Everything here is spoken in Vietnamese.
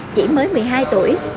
chị mới một mươi hai tuổi